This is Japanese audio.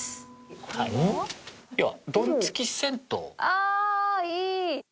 ああいい！